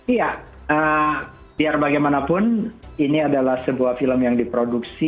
iya biar bagaimanapun ini adalah sebuah film yang diproduksi